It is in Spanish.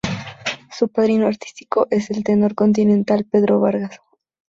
Su padrino artístico es el tenor continental Pedro Vargas.